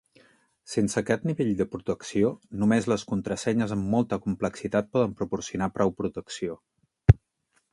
Sense aquest nivell de protecció, només les contrasenyes amb molta complexitat poden proporcionar prou protecció.